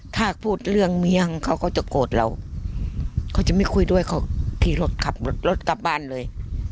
ถ้าพูดเรื่องเมียเขาก็จะโกรธเราเขาจะไม่คุยด้วยเขาขี่รถขับรถกลับบ้านเลย